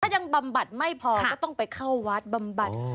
ยังบำบัดไม่พอก็ต้องไปเข้าวัดบำบัด